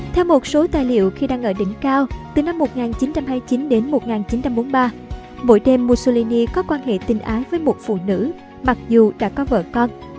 theo một số tài liệu khi đang ở đỉnh cao từ năm một nghìn chín trăm hai mươi chín đến một nghìn chín trăm bốn mươi ba mỗi đêm mussolini có quan hệ tình ái với một phụ nữ mặc dù đã có vợ con